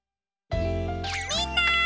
みんな！